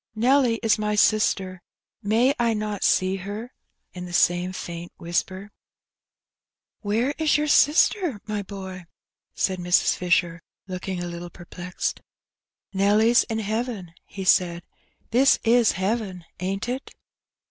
Nelly is my sister; may I not see her?" in the same faint whisper. 224 Heb Benmt. €€ ci ''Where is your sister^ my boy?'* said Mrs. Fisher, lookiDg a Utile perplexed. ''Nelly's in heaven/' he said. "This is heaven, aint it?''